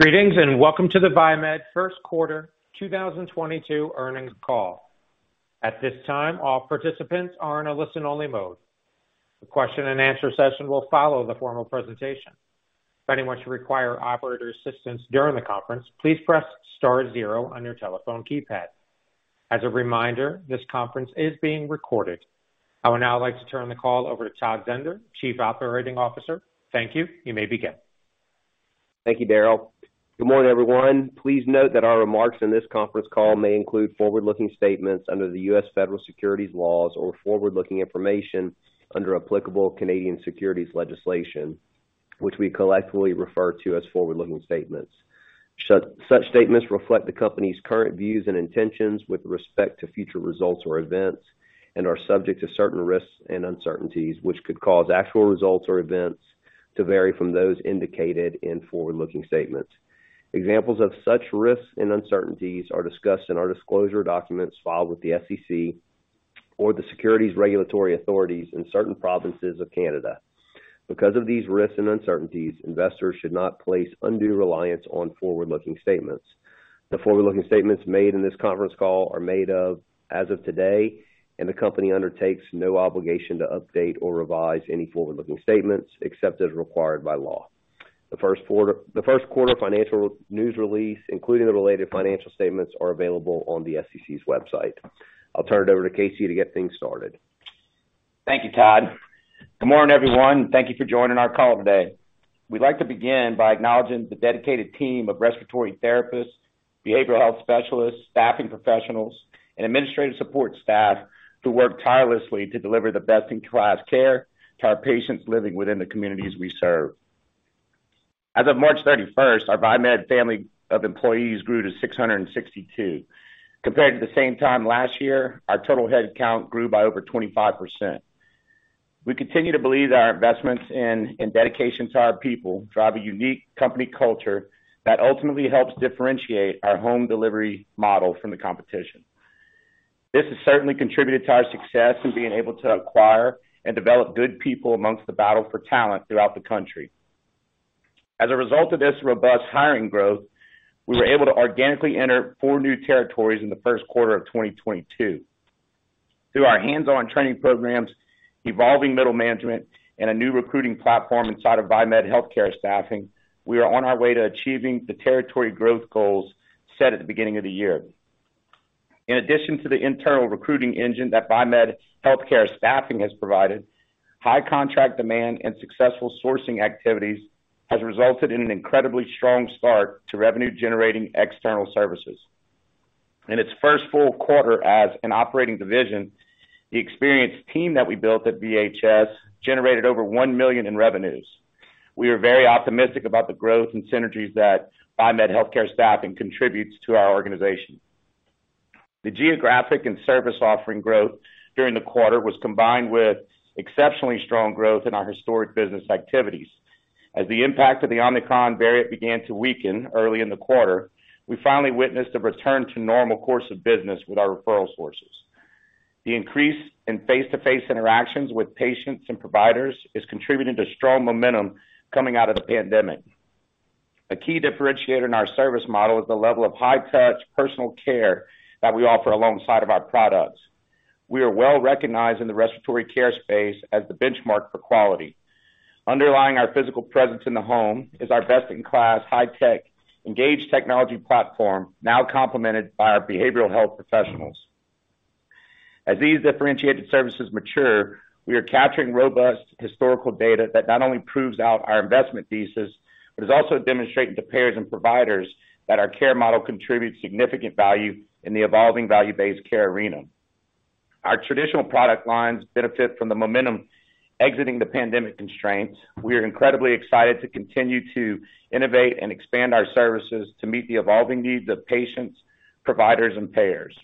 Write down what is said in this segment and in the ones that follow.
Greetings, and welcome to the Viemed first quarter 2022 earnings call. At this time, all participants are in a listen-only mode. The question and answer session will follow the formal presentation. If anyone should require operator assistance during the conference, please press star zero on your telephone keypad. As a reminder, this conference is being recorded. I would now like to turn the call over to Todd Zehnder, Chief Operating Officer. Thank you. You may begin. Thank you, Daryl. Good morning, everyone. Please note that our remarks in this conference call may include forward-looking statements under the U.S. Federal Securities laws or forward-looking information under applicable Canadian securities legislation, which we collectively refer to as forward-looking statements. Such statements reflect the company's current views and intentions with respect to future results or events and are subject to certain risks and uncertainties which could cause actual results or events to vary from those indicated in forward-looking statements. Examples of such risks and uncertainties are discussed in our disclosure documents filed with the SEC or the securities regulatory authorities in certain provinces of Canada. Because of these risks and uncertainties, investors should not place undue reliance on forward-looking statements. The forward-looking statements made in this conference call are made as of today, and the company undertakes no obligation to update or revise any forward-looking statements, except as required by law. The first quarter financial news release, including the related financial statements, are available on the SEC's website. I'll turn it over to Casey to get things started. Thank you, Todd. Good morning, everyone. Thank you for joining our call today. We'd like to begin by acknowledging the dedicated team of respiratory therapists, behavioral health specialists, staffing professionals, and administrative support staff who work tirelessly to deliver the best-in-class care to our patients living within the communities we serve. As of March 31st, our Viemed family of employees grew to 662. Compared to the same time last year, our total head count grew by over 25%. We continue to believe that our investments in dedication to our people drive a unique company culture that ultimately helps differentiate our home delivery model from the competition. This has certainly contributed to our success in being able to acquire and develop good people amongst the battle for talent throughout the country. As a result of this robust hiring growth, we were able to organically enter four new territories in the first quarter of 2022. Through our hands-on training programs, evolving middle management, and a new recruiting platform inside of Viemed Healthcare Staffing, we are on our way to achieving the territory growth goals set at the beginning of the year. In addition to the internal recruiting engine that Viemed Healthcare Staffing has provided, high contract demand and successful sourcing activities has resulted in an incredibly strong start to revenue generating external services. In its first full quarter as an operating division, the experienced team that we built at VHS generated over $1 million in revenues. We are very optimistic about the growth and synergies that Viemed Healthcare Staffing contributes to our organization. The geographic and service offering growth during the quarter was combined with exceptionally strong growth in our historic business activities. As the impact of the Omicron variant began to weaken early in the quarter, we finally witnessed a return to normal course of business with our referral sources. The increase in face-to-face interactions with patients and providers is contributing to strong momentum coming out of the pandemic. A key differentiator in our service model is the level of high touch personal care that we offer alongside of our products. We are well recognized in the respiratory care space as the benchmark for quality. Underlying our physical presence in the home is our best-in-class, high tech engaged technology platform, now complemented by our behavioral health professionals. As these differentiated services mature, we are capturing robust historical data that not only proves out our investment thesis, but is also demonstrating to payers and providers that our care model contributes significant value in the evolving value-based care arena. Our traditional product lines benefit from the momentum exiting the pandemic constraints. We are incredibly excited to continue to innovate and expand our services to meet the evolving needs of patients, providers, and payers.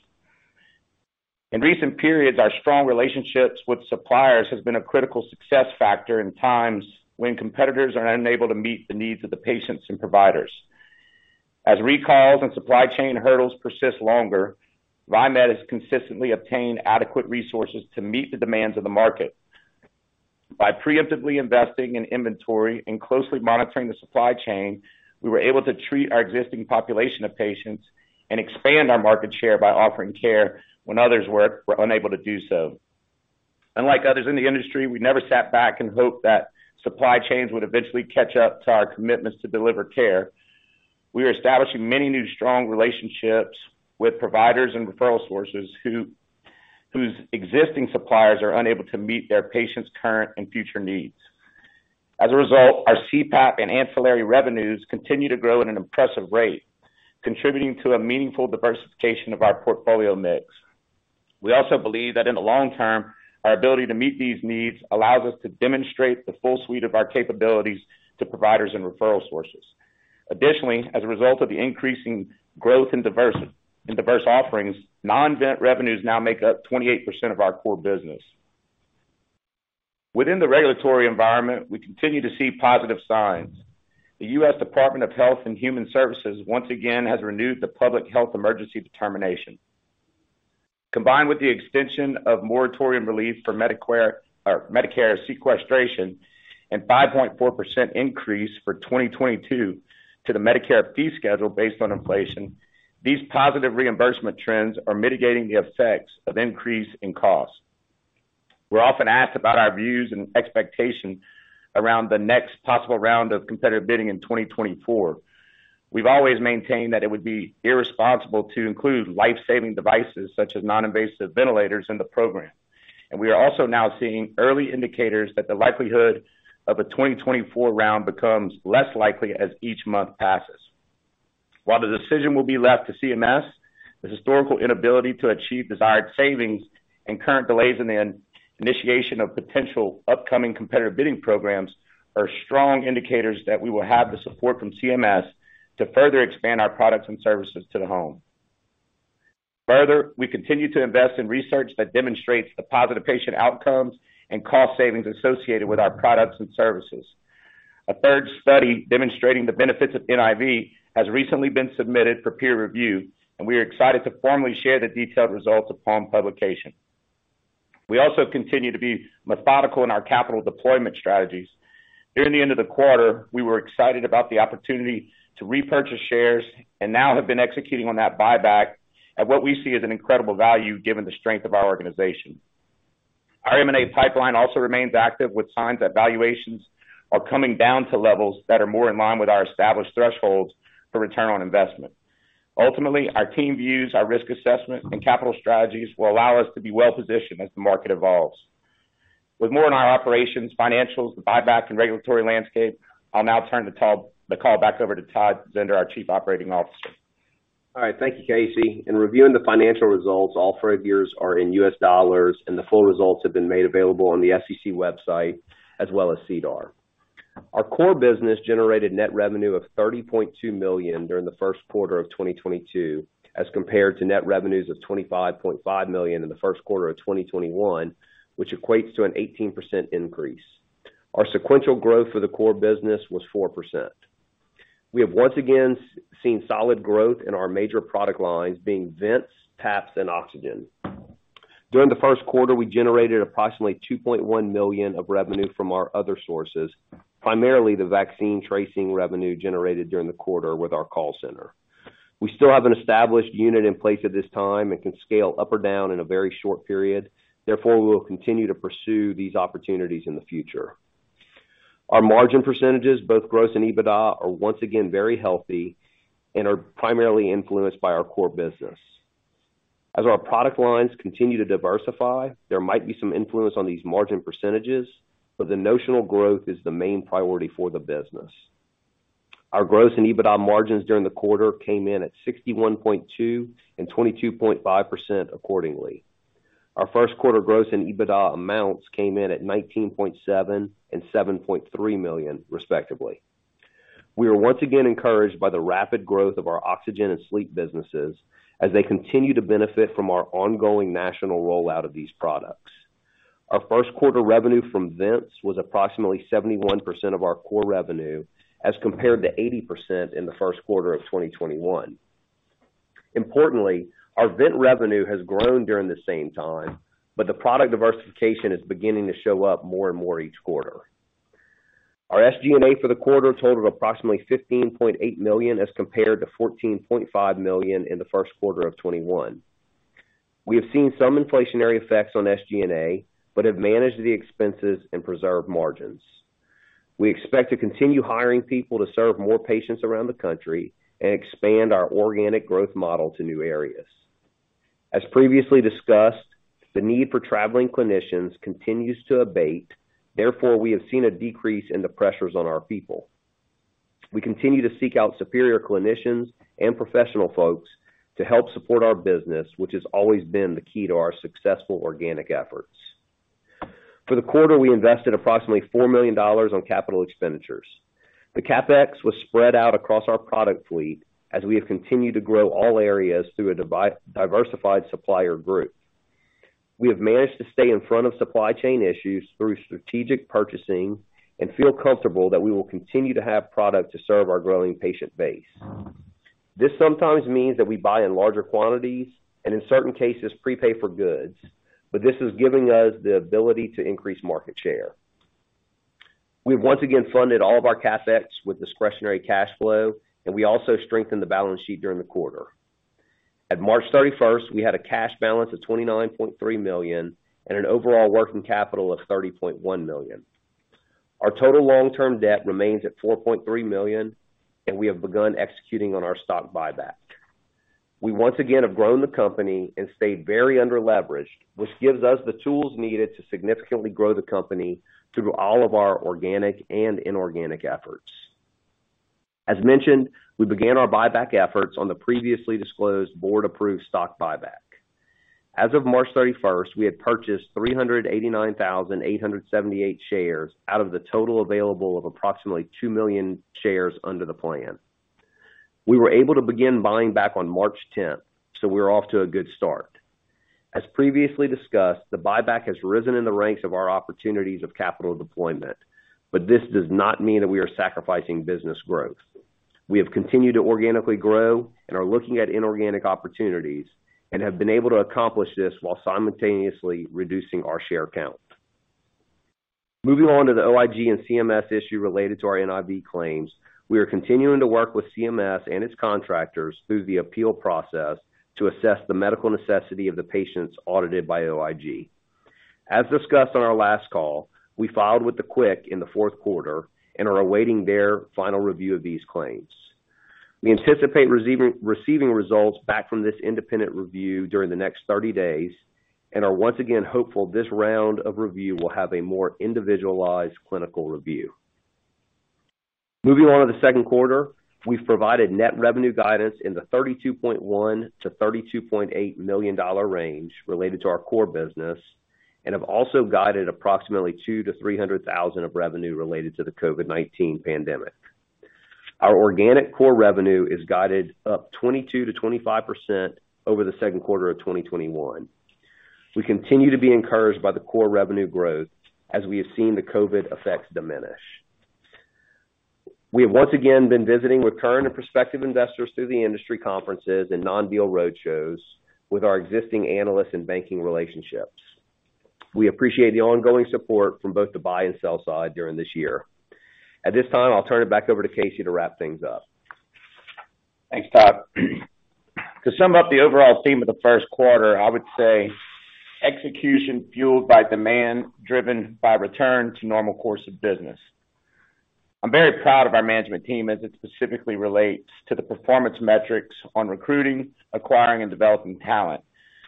In recent periods, our strong relationships with suppliers has been a critical success factor in times when competitors are unable to meet the needs of the patients and providers. As recalls and supply chain hurdles persist longer, Viemed has consistently obtained adequate resources to meet the demands of the market. By preemptively investing in inventory and closely monitoring the supply chain, we were able to treat our existing population of patients and expand our market share by offering care when others were unable to do so. Unlike others in the industry, we never sat back and hoped that supply chains would eventually catch up to our commitments to deliver care. We are establishing many new, strong relationships with providers and referral sources whose existing suppliers are unable to meet their patients' current and future needs. As a result, our CPAP and ancillary revenues continue to grow at an impressive rate, contributing to a meaningful diversification of our portfolio mix. We also believe that in the long term, our ability to meet these needs allows us to demonstrate the full suite of our capabilities to providers and referral sources. Additionally, as a result of the increasing growth and diversification in diverse offerings, non-vent revenues now make up 28% of our core business. Within the regulatory environment, we continue to see positive signs. The U.S. Department of Health and Human Services once again has renewed the public health emergency determination. Combined with the extension of moratorium relief for Medicare, or Medicare sequestration and 5.4% increase for 2022 to the Medicare fee schedule based on inflation, these positive reimbursement trends are mitigating the effects of increase in cost. We're often asked about our views and expectations around the next possible round of Competitive Bidding in 2024. We've always maintained that it would be irresponsible to include life-saving devices such as non-invasive ventilators in the program. We are also now seeing early indicators that the likelihood of a 2024 round becomes less likely as each month passes. While the decision will be left to CMS, the historical inability to achieve desired savings and current delays in the initiation of potential upcoming competitive bidding programs are strong indicators that we will have the support from CMS to further expand our products and services to the home. Further, we continue to invest in research that demonstrates the positive patient outcomes and cost savings associated with our products and services. A third study demonstrating the benefits of NIV has recently been submitted for peer review, and we are excited to formally share the detailed results upon publication. We also continue to be methodical in our capital deployment strategies. During the end of the quarter, we were excited about the opportunity to repurchase shares and now have been executing on that buyback at what we see as an incredible value given the strength of our organization. Our M&A pipeline also remains active with signs that valuations are coming down to levels that are more in line with our established thresholds for return on investment. Ultimately, our team views our risk assessment and capital strategies will allow us to be well positioned as the market evolves. With more on our operations, financials, the buyback and regulatory landscape, I'll now turn the call back over to Todd Zehnder, our Chief Operating Officer. All right. Thank you, Casey. In reviewing the financial results, all figures are in US dollars, and the full results have been made available on the SEC website as well as SEDAR. Our core business generated net revenue of $30.2 million during the first quarter of 2022, as compared to net revenues of $25.5 million in the first quarter of 2021, which equates to an 18% increase. Our sequential growth for the core business was 4%. We have once again seen solid growth in our major product lines being vents, PAPs, and oxygen. During the first quarter, we generated approximately $2.1 million of revenue from our other sources, primarily the vaccine tracing revenue generated during the quarter with our call center. We still have an established unit in place at this time and can scale up or down in a very short period. Therefore, we will continue to pursue these opportunities in the future. Our margin percentages, both gross and EBITDA, are once again very healthy and are primarily influenced by our core business. As our product lines continue to diversify, there might be some influence on these margin percentages, but the notional growth is the main priority for the business. Our gross and EBITDA margins during the quarter came in at 61.2% and 22.5% accordingly. Our first quarter gross and EBITDA amounts came in at $19.7 million and $7.3 million, respectively. We are once again encouraged by the rapid growth of our oxygen and sleep businesses as they continue to benefit from our ongoing national rollout of these products. Our first quarter revenue from vents was approximately 71% of our core revenue as compared to 80% in the first quarter of 2021. Importantly, our vent revenue has grown during the same time, but the product diversification is beginning to show up more and more each quarter. Our SG&A for the quarter totaled approximately $15.8 million as compared to $14.5 million in the first quarter of 2021. We have seen some inflationary effects on SG&A, but have managed the expenses and preserved margins. We expect to continue hiring people to serve more patients around the country and expand our organic growth model to new areas. As previously discussed, the need for traveling clinicians continues to abate. Therefore, we have seen a decrease in the pressures on our people. We continue to seek out superior clinicians and professional folks to help support our business, which has always been the key to our successful organic efforts. For the quarter, we invested approximately $4 million on capital expenditures. The CapEx was spread out across our product fleet as we have continued to grow all areas through a diversified supplier group. We have managed to stay in front of supply chain issues through strategic purchasing and feel comfortable that we will continue to have product to serve our growing patient base. This sometimes means that we buy in larger quantities and in certain cases prepay for goods, but this is giving us the ability to increase market share. We have once again funded all of our CapEx with discretionary cash flow, and we also strengthened the balance sheet during the quarter. As of March 31st, we had a cash balance of $29.3 million and an overall working capital of $30.1 million. Our total long-term debt remains at $4.3 million, and we have begun executing on our stock buyback. We once again have grown the company and stayed very under-leveraged, which gives us the tools needed to significantly grow the company through all of our organic and inorganic efforts. As mentioned, we began our buyback efforts on the previously disclosed board-approved stock buyback. As of March 31st, we had purchased 389,878 shares out of the total available of approximately two million shares under the plan. We were able to begin buying back on March 10th, so we're off to a good start. As previously discussed, the buyback has risen in the ranks of our opportunities of capital deployment, but this does not mean that we are sacrificing business growth. We have continued to organically grow and are looking at inorganic opportunities and have been able to accomplish this while simultaneously reducing our share count. Moving on to the OIG and CMS issue related to our NIV claims. We are continuing to work with CMS and its contractors through the appeal process to assess the medical necessity of the patients audited by OIG. As discussed on our last call, we filed with the QIC in the fourth quarter and are awaiting their final review of these claims. We anticipate receiving results back from this independent review during the next 30 days and are once again hopeful this round of review will have a more individualized clinical review. Moving on to the second quarter. We've provided net revenue guidance in the $32.1-$32.8 million range related to our core business and have also guided approximately $200,000-$300,000 of revenue related to the COVID-19 pandemic. Our organic core revenue is guided up 22%-25% over the second quarter of 2021. We continue to be encouraged by the core revenue growth as we have seen the COVID effects diminish. We have once again been visiting with current and prospective investors through the industry conferences and non-deal roadshows with our existing analysts and banking relationships. We appreciate the ongoing support from both the buy and sell side during this year. At this time, I'll turn it back over to Casey to wrap things up. Thanks, Todd. To sum up the overall theme of the first quarter, I would say execution fueled by demand, driven by return to normal course of business. I'm very proud of our management team as it specifically relates to the performance metrics on recruiting, acquiring, and developing talent.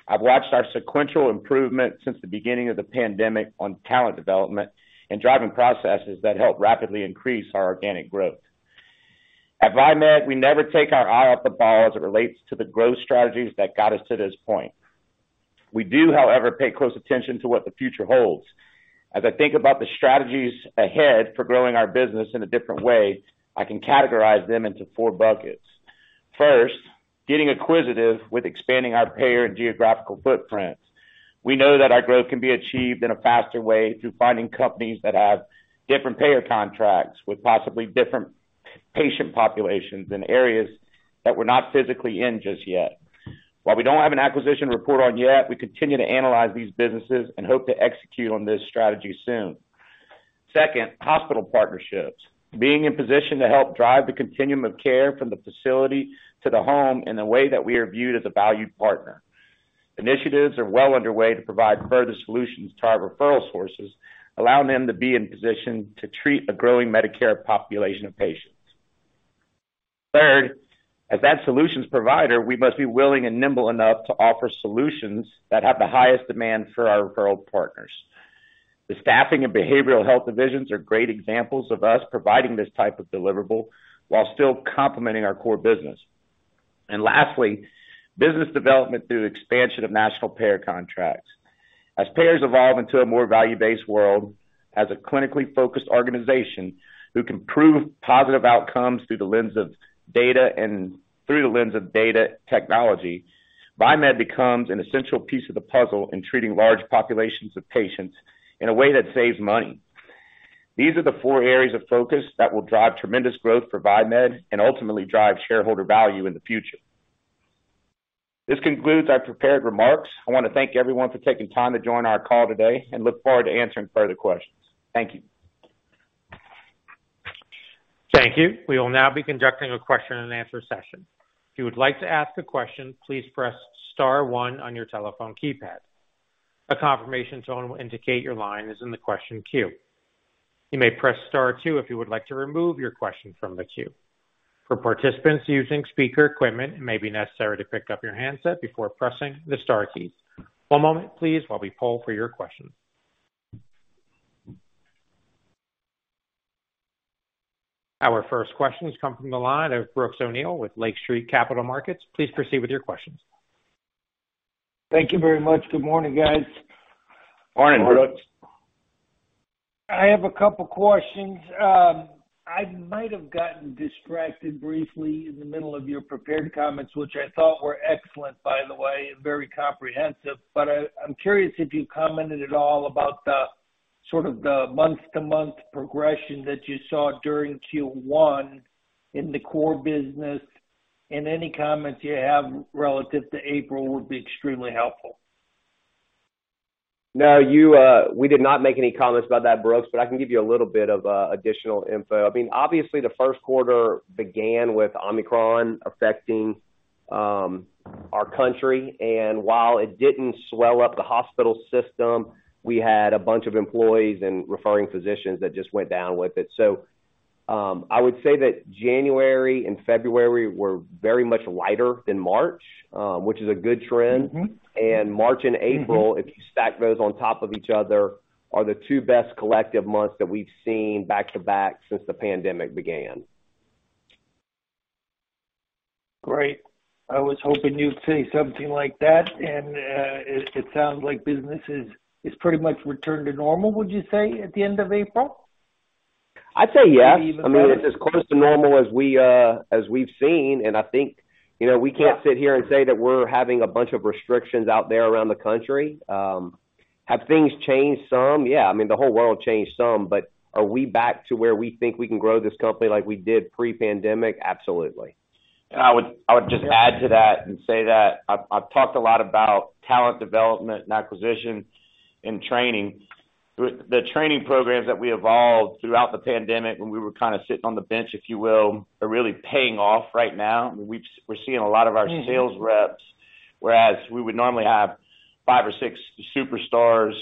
I've watched our sequential improvement since the beginning of the pandemic on talent development and driving processes that help rapidly increase our organic growth. At Viemed, we never take our eye off the ball as it relates to the growth strategies that got us to this point. We do, however, pay close attention to what the future holds. As I think about the strategies ahead for growing our business in a different way, I can categorize them into four buckets. First, getting acquisitive with expanding our payer and geographical footprint. We know that our growth can be achieved in a faster way through finding companies that have different payer contracts with possibly different patient populations in areas that we're not physically in just yet. While we don't have an acquisition report on yet, we continue to analyze these businesses and hope to execute on this strategy soon. Second, hospital partnerships. Being in position to help drive the continuum of care from the facility to the home in a way that we are viewed as a valued partner. Initiatives are well underway to provide further solutions to our referral sources, allowing them to be in position to treat a growing Medicare population of patients. Third, as that solutions provider, we must be willing and nimble enough to offer solutions that have the highest demand for our referral partners. The staffing and behavioral health divisions are great examples of us providing this type of deliverable while still complementing our core business. Lastly, business development through expansion of national payer contracts. As payers evolve into a more value-based world, as a clinically focused organization who can prove positive outcomes through the lens of data technology, Viemed becomes an essential piece of the puzzle in treating large populations of patients in a way that saves money. These are the four areas of focus that will drive tremendous growth for Viemed and ultimately drive shareholder value in the future. This concludes our prepared remarks. I wanna thank everyone for taking time to join our call today and look forward to answering further questions. Thank you. Thank you. We will now be conducting a question and answer session. If you would like to ask a question, please press star one on your telephone keypad. A confirmation tone will indicate your line is in the question queue. You may press star two if you would like to remove your question from the queue. For participants using speaker equipment, it may be necessary to pick up your handset before pressing the star keys. One moment please, while we poll for your questions. Our first question has come from the line of Brooks O'Neil with Lake Street Capital Markets. Please proceed with your questions. Thank you very much. Good morning, guys. Morning, Brooks. Morning. I have a couple questions. I might have gotten distracted briefly in the middle of your prepared comments, which I thought were excellent, by the way, very comprehensive. I'm curious if you commented at all about the, sort of the month-to-month progression that you saw during Q1 in the core business, and any comments you have relative to April would be extremely helpful. No, you, we did not make any comments about that, Brooks, but I can give you a little bit of additional info. I mean, obviously the first quarter began with Omicron affecting our country, and while it didn't swell up the hospital system, we had a bunch of employees and referring physicians that just went down with it. I would say that January and February were very much lighter than March, which is a good trend. Mm-hmm. March and April- Mm-hmm. If you stack those on top of each other, are the two best collective months that we've seen back-to-back since the pandemic began. Great. I was hoping you'd say something like that. It sounds like business is pretty much returned to normal, would you say, at the end of April? I'd say yes. Maybe even better. I mean, it's as close to normal as we, as we've seen, and I think, you know, we can't sit here and say that we're having a bunch of restrictions out there around the country. Have things changed some? Yeah. I mean, the whole world changed some, but are we back to where we think we can grow this company like we did pre-pandemic? Absolutely. I would just add to that and say that I've talked a lot about talent development and acquisition and training. The training programs that we evolved throughout the pandemic when we were kinda sitting on the bench, if you will, are really paying off right now. I mean, we're seeing a lot of our sales reps, whereas we would normally have five or six superstars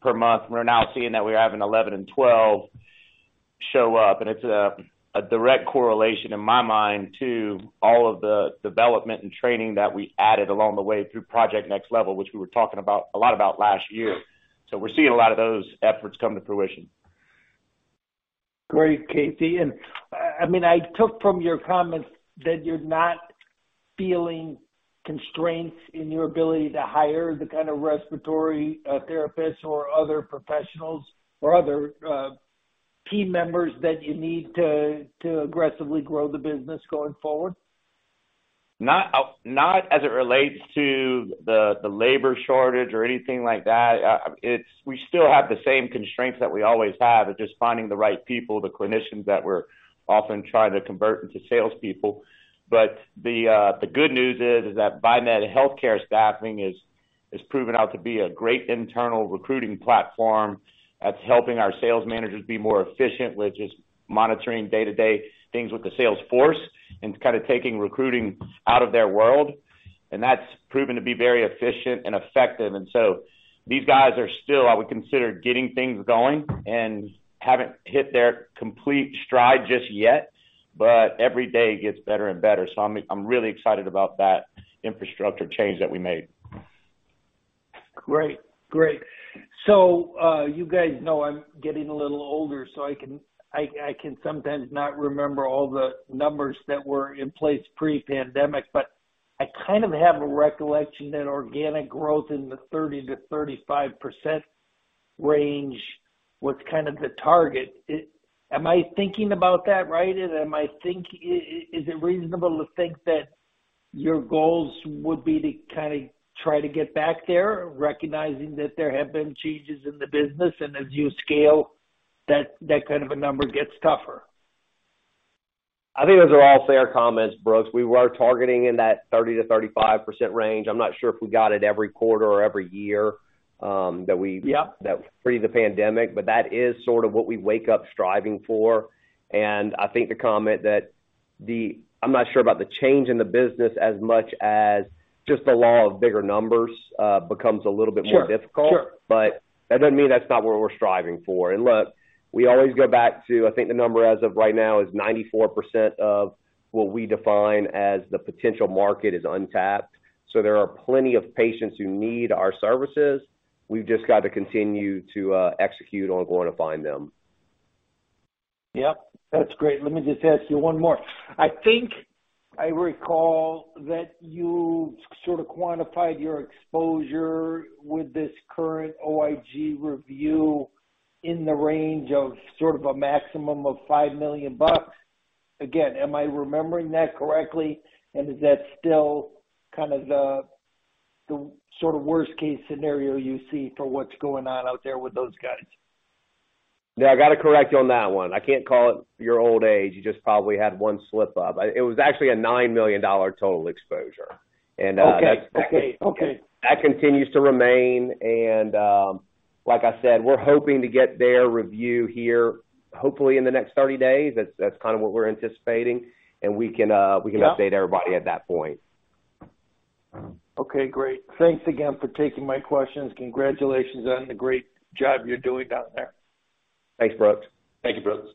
per month, we're now seeing that we're having 11 and 12 show up. It's a direct correlation in my mind to all of the development and training that we added along the way through Project Next Level, which we were talking about a lot about last year. We're seeing a lot of those efforts come to fruition. Great, Casey. I mean, I took from your comments that you're not feeling constraints in your ability to hire the kind of respiratory therapists or other professionals or other team members that you need to aggressively grow the business going forward. Not as it relates to the labor shortage or anything like that. We still have the same constraints that we always have of just finding the right people, the clinicians that we're often trying to convert into salespeople. But the good news is that Viemed Healthcare Staffing has proven out to be a great internal recruiting platform that's helping our sales managers be more efficient with just monitoring day-to-day things with the sales force and kind of taking recruiting out of their world. That's proven to be very efficient and effective. These guys are still, I would consider, getting things going and haven't hit their complete stride just yet, but every day gets better and better. I'm really excited about that infrastructure change that we made. Great. You guys know I'm getting a little older, so I can sometimes not remember all the numbers that were in place pre-pandemic, but I kind of have a recollection that organic growth in the 30%-35% range was kind of the target. Am I thinking about that right? Is it reasonable to think that your goals would be to kinda try to get back there, recognizing that there have been changes in the business and as you scale, that kind of a number gets tougher? I think those are all fair comments, Brooks. We were targeting in that 30%-35% range. I'm not sure if we got it every quarter or every year. Yep That pre the pandemic, but that is sort of what we wake up striving for. I think the comment that I'm not sure about the change in the business as much as just the law of bigger numbers becomes a little bit more difficult. Sure. That doesn't mean that's not what we're striving for. Look, we always go back to, I think the number as of right now is 94% of what we define as the potential market is untapped. There are plenty of patients who need our services. We've just got to continue to execute on going to find them. Yep. That's great. Let me just ask you one more. I think I recall that you sort of quantified your exposure with this current OIG review in the range of sort of a maximum of $5 million. Again, am I remembering that correctly? And is that still kind of the sort of worst-case scenario you see for what's going on out there with those guys? Yeah, I got to correct you on that one. I can't call it your old age. You just probably had one slip up. It was actually a $9 million total exposure. Okay. That continues to remain. Like I said, we're hoping to get their review here, hopefully in the next 30 days. That's kind of what we're anticipating. We can update everybody at that point. Okay, great. Thanks again for taking my questions. Congratulations on the great job you're doing down there. Thanks, Brooks. Thank you, Brooks.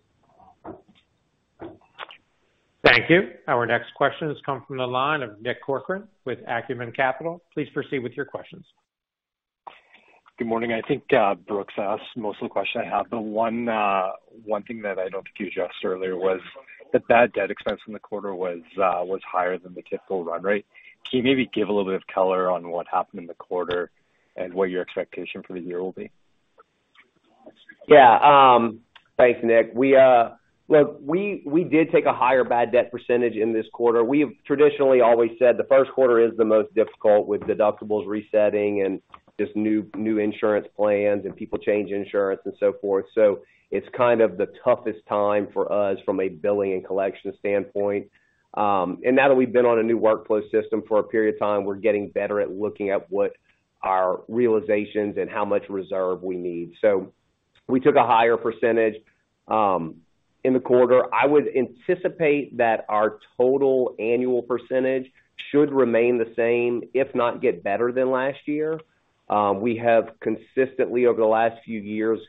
Thank you. Our next question has come from the line of Nick Corcoran with Acumen Capital. Please proceed with your questions. Good morning. I think Brooks asked most of the questions I have. One thing that I don't think you addressed earlier was the bad debt expense in the quarter was higher than the typical run rate. Can you maybe give a little bit of color on what happened in the quarter and what your expectation for the year will be? Yeah, thanks, Nick. Look, we did take a higher bad debt percentage in this quarter. We've traditionally always said the first quarter is the most difficult with deductibles resetting and just new insurance plans and people change insurance and so forth. It's kind of the toughest time for us from a billing and collection standpoint. Now that we've been on a new workflow system for a period of time, we're getting better at looking at what our realizations and how much reserve we need. We took a higher percentage in the quarter. I would anticipate that our total annual percentage should remain the same, if not get better than last year. We have consistently over the last few years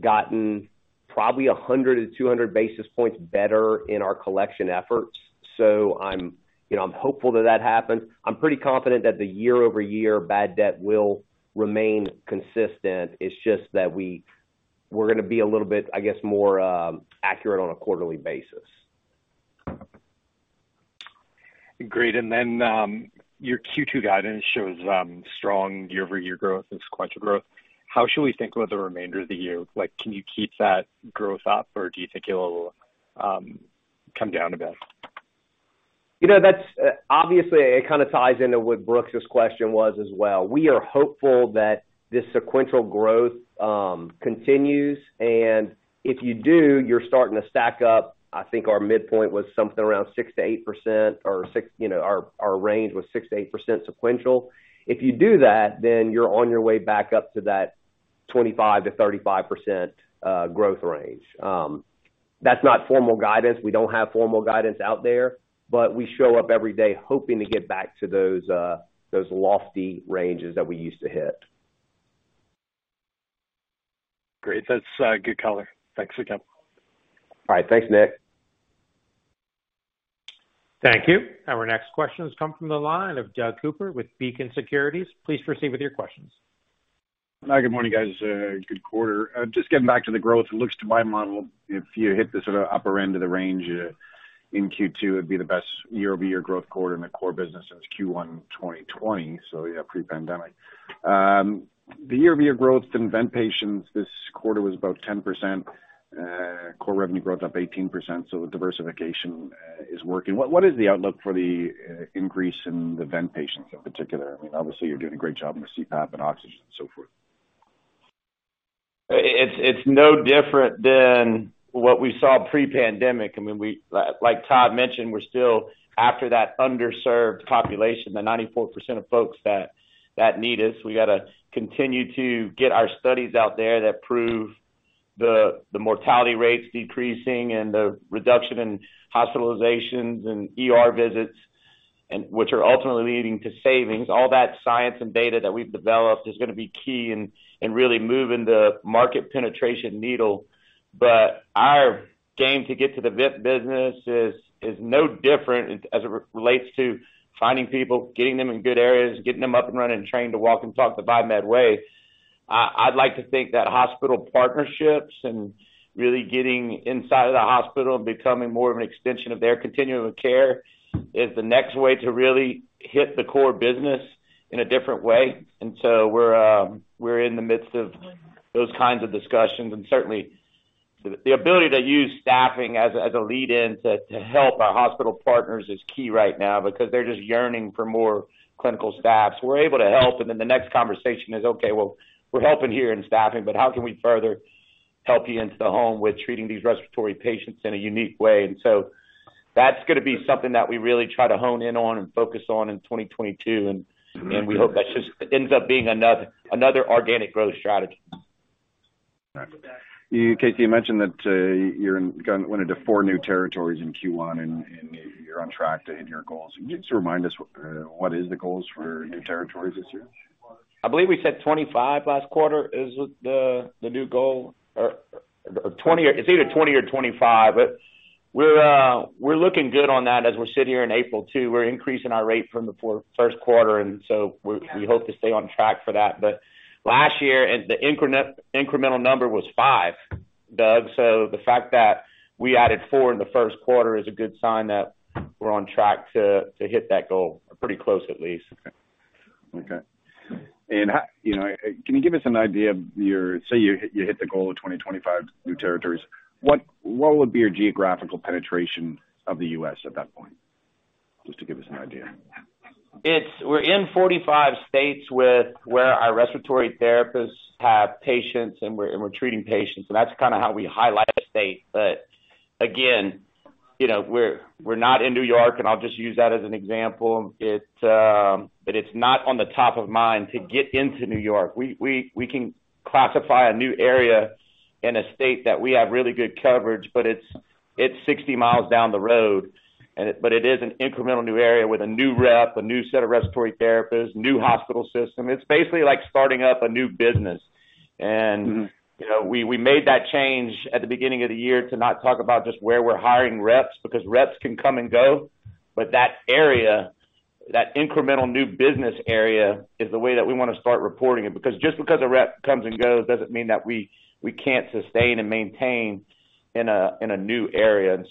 gotten probably 100-200 basis points better in our collection efforts. I'm, you know, I'm hopeful that that happens. I'm pretty confident that the year-over-year bad debt will remain consistent. It's just that we're gonna be a little bit, I guess, more accurate on a quarterly basis. Great. Your Q2 guidance shows strong year-over-year growth and sequential growth. How should we think about the remainder of the year? Like, can you keep that growth up, or do you think it'll come down a bit? You know, that's obviously it kind of ties into what Brooks O'Neil's question was as well. We are hopeful that this sequential growth continues, and if you do, you're starting to stack up. I think our midpoint was something around 6%-8%. You know, our range was 6%-8% sequential. If you do that, then you're on your way back up to that 25%-35% growth range. That's not formal guidance. We don't have formal guidance out there, but we show up every day hoping to get back to those lofty ranges that we used to hit. Great. That's good color. Thanks again. All right. Thanks, Nick. Thank you. Our next question has come from the line of Doug Cooper with Beacon Securities. Please proceed with your questions. Hi, good morning, guys. Good quarter. Just getting back to the growth, it looks to my model, if you hit the sort of upper end of the range, in Q2, it'd be the best year-over-year growth quarter in the core business since Q1 2020, pre-pandemic. The year-over-year growth in vent patients this quarter was about 10%. Core revenue growth up 18%, so the diversification is working. What is the outlook for the increase in the vent patients in particular? I mean, obviously, you're doing a great job in the CPAP and oxygen and so forth. It's no different than what we saw pre-pandemic. I mean, like Todd mentioned, we're still after that underserved population, the 94% of folks that need us. We gotta continue to get our studies out there that prove the mortality rates decreasing and the reduction in hospitalizations and ER visits and which are ultimately leading to savings. All that science and data that we've developed is gonna be key in really moving the market penetration needle. Our game to get to the vent business is no different as it relates to finding people, getting them in good areas, getting them up and running and trained to walk and talk the Viemed way. I'd like to think that hospital partnerships and really getting inside of the hospital and becoming more of an extension of their continuum of care is the next way to really hit the core business in a different way. We're in the midst of those kinds of discussions. Certainly, the ability to use staffing as a lead in to help our hospital partners is key right now because they're just yearning for more clinical staff. We're able to help, and then the next conversation is, "Okay, well, we're helping here in staffing, but how can we further help you into the home with treating these respiratory patients in a unique way?" That's gonna be something that we really try to hone in on and focus on in 2022. We hope that just ends up being another organic growth strategy. Got it. You, Casey, you mentioned that you're gone-- went into four new territories in Q1, and you're on track to hit your goals. Can you just remind us what is the goals for new territories this year? I believe we said 25 last quarter. Is it the new goal? It's either 20 or 25. We're looking good on that as we sit here in April, too. We're increasing our rate from the first quarter, and we hope to stay on track for that. Last year, the incremental number was five, Doug. The fact that we added four in the first quarter is a good sign that we're on track to hit that goal, or pretty close, at least. Okay. How? You know, can you give us an idea. Say you hit the goal of 20-25 new territories. What would be your geographical penetration of the U.S. at that point? Just to give us an idea. We're in 45 states with where our respiratory therapists have patients, and we're treating patients, and that's kinda how we highlight a state. Again, you know, we're not in New York, and I'll just use that as an example. But it's not on the top of mind to get into New York. We can classify a new area in a state that we have really good coverage, but it's 60 miles down the road. It is an incremental new area with a new rep, a new set of respiratory therapists, new hospital system. It's basically like starting up a new business. Mm-hmm. You know, we made that change at the beginning of the year to not talk about just where we're hiring reps because reps can come and go. That area, that incremental new business area is the way that we wanna start reporting it. Because just because a rep comes and goes doesn't mean that we can't sustain and maintain in a new area.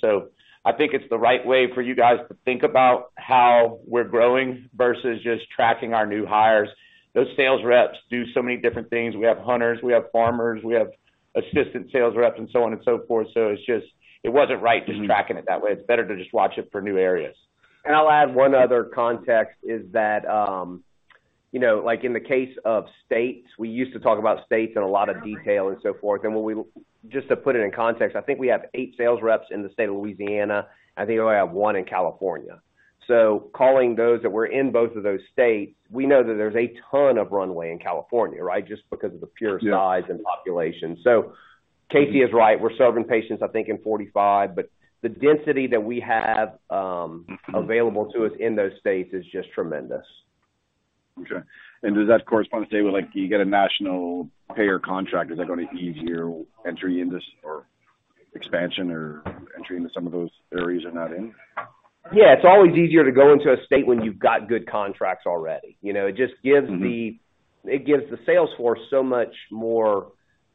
I think it's the right way for you guys to think about how we're growing versus just tracking our new hires. Those sales reps do so many different things. We have hunters, we have farmers, we have assistant sales reps and so on and so forth. It's just. It wasn't right just tracking it that way. It's better to just watch it for new areas. I'll add one other context, is that, you know, like in the case of states, we used to talk about states in a lot of detail and so forth. Just to put it in context, I think we have 8 sales reps in the state of Louisiana. I think we only have one in California. So calling those that were in both of those states, we know that there's a ton of runway in California, right? Just because of the pure size and population. So Casey is right. We're serving patients, I think, in 45, but the density that we have, available to us in those states is just tremendous. Okay. Does that correspond to, say, well, like, do you get a national payer contract? Is that gonna ease your entry into or expansion or entry into some of those areas you're not in? Yeah. It's always easier to go into a state when you've got good contracts already. You know, it just gives the- Mm-hmm. It gives the sales force so much more,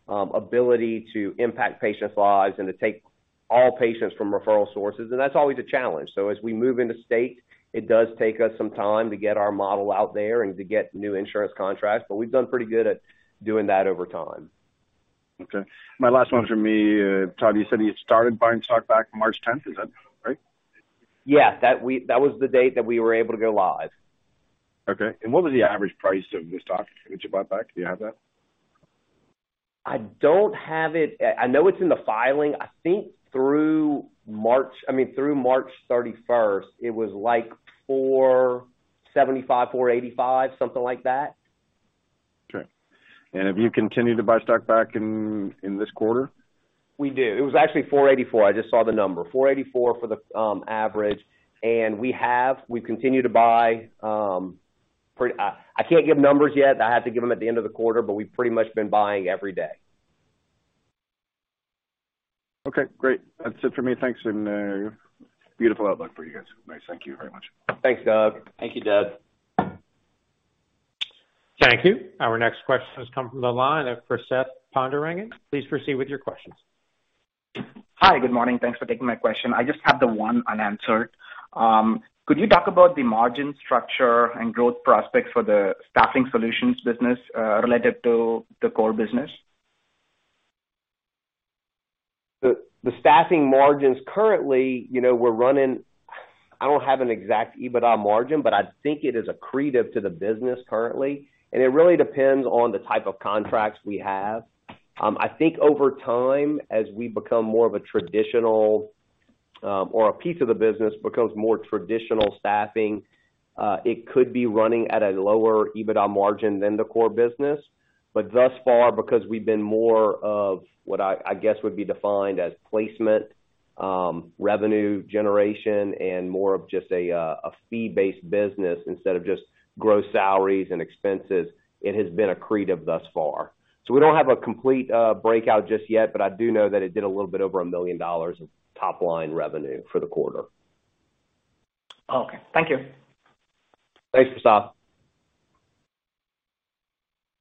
ability to impact patients' lives and to take all patients from referral sources, and that's always a challenge. As we move into state, it does take us some time to get our model out there and to get new insurance contracts, but we've done pretty good at doing that over time. Okay. My last one from me, Todd, you said you started buying stock back March tenth, is that right? Yeah. That was the date that we were able to go live. Okay. What was the average price of the stock that you bought back? Do you have that? I don't have it. I know it's in the filing. I think through March thirty-first, I mean, it was like $475-$485, something like that. Okay. Have you continued to buy stock back in this quarter? We do. It was actually 484. I just saw the number. 484 for the average. We have, we've continued to buy. I can't give numbers yet, I have to give them at the end of the quarter, but we've pretty much been buying every day. Okay, great. That's it for me. Thanks. Beautiful outlook for you guys. Nice. Thank you very much. Thanks, Doug. Thank you, Doug. Thank you. Our next question has come from the line of Prasath Pandurangan. Please proceed with your questions. Hi. Good morning. Thanks for taking my question. I just have the one unanswered. Could you talk about the margin structure and growth prospects for the staffing solutions business related to the core business? The staffing margins currently, you know, we're running. I don't have an exact EBITDA margin, but I think it is accretive to the business currently, and it really depends on the type of contracts we have. I think over time, as we become more of a traditional, or a piece of the business becomes more traditional staffing, it could be running at a lower EBITDA margin than the core business. Thus far, because we've been more of what I guess would be defined as placement, revenue generation and more of just a fee-based business instead of just gross salaries and expenses, it has been accretive thus far. We don't have a complete breakout just yet, but I do know that it did a little bit over $1 million of top line revenue for the quarter. Okay. Thank you. Thanks, Prasath.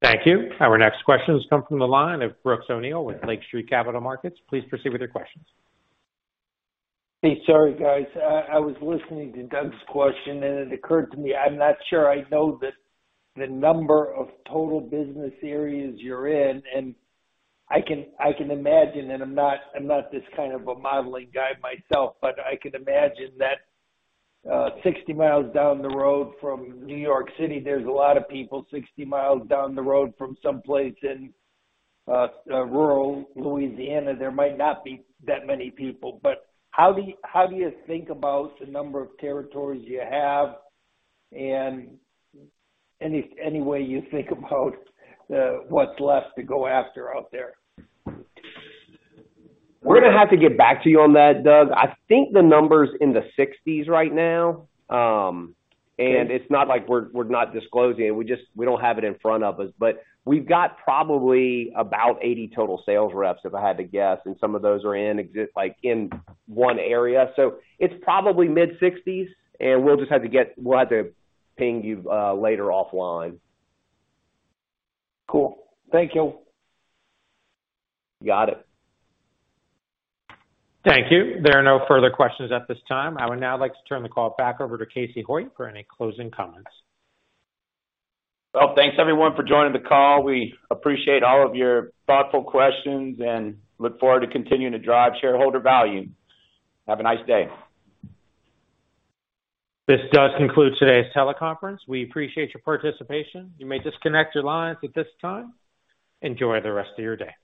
Thank you. Our next question has come from the line of Brooks O'Neil with Lake Street Capital Markets. Please proceed with your questions. Hey, sorry guys. I was listening to Doug's question and it occurred to me, I'm not sure I know the number of total business areas you're in. I can imagine, I'm not this kind of a modeling guy myself, but I can imagine that, 60 miles down the road from New York City, there's a lot of people 60 miles down the road from some place in rural Louisiana, there might not be that many people. How do you think about the number of territories you have and any way you think about what's left to go after out there? We're gonna have to get back to you on that, Doug. I think the number's in the 60s right now. It's not like we're not disclosing. We just don't have it in front of us. We've got probably about 80 total sales reps, if I had to guess, and some of those are like in one area. It's probably mid-60s and we'll just have to get. We'll have to ping you later offline. Cool. Thank you. Got it. Thank you. There are no further questions at this time. I would now like to turn the call back over to Casey Hoyt for any closing comments. Well, thanks everyone for joining the call. We appreciate all of your thoughtful questions and look forward to continuing to drive shareholder value. Have a nice day. This does conclude today's teleconference. We appreciate your participation. You may disconnect your lines at this time. Enjoy the rest of your day.